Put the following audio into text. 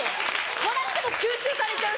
笑っても吸収されちゃうし。